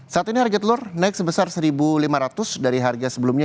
saat ini harga telur naik sebesar rp satu lima ratus dari harga sebelumnya